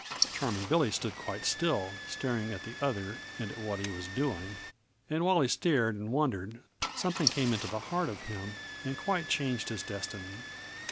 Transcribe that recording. Charming Billy stood quite still, staring at the other and at what he was doing; and while he stared and wondered, something came into the heart of him and quite changed his destiny.